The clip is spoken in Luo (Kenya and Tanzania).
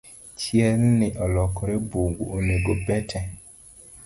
Chielni olokore bungu onego bete